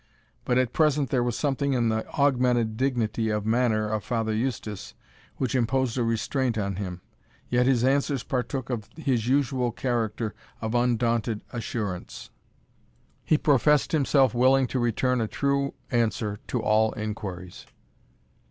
But at present there was something in the augmented dignity of manner of Father Eustace, which imposed a restraint on him. Yet his answers partook of his usual character of undaunted assurance. He professed himself willing to return a true answer to all inquiries.